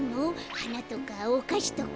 はなとかおかしとか。